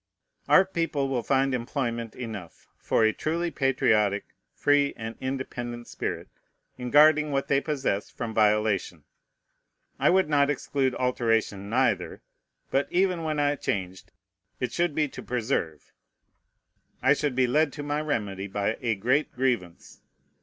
Our people will find employment enough for a truly patriotic, free, and independent spirit, in guarding what they possess from violation. I would not exclude alteration neither; but even when I changed, it should be to preserve. I should be led to my remedy by a great grievance.